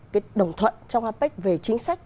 cái đồng thuận trong apec về chính sách